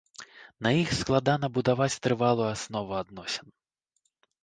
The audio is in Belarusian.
На іх складана будаваць трывалую аснову адносін.